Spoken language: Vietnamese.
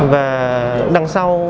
và đằng sau